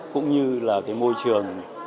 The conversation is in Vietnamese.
cũng như là cái môi trường